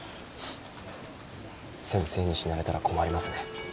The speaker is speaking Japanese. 先生に死なれたら困りますね。